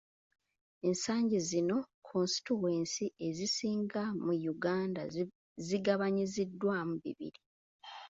Ensangi zino konsitituwensi ezisinga mu Uganda zigabanyiziddwamu bibiri.